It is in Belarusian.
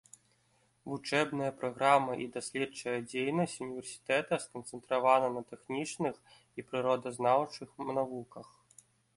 Вучэбная праграма і даследчая дзейнасць універсітэта сканцэнтравана на тэхнічных і прыродазнаўчых навуках.